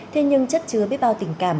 thế nhưng chất chứa biết bao tình cảm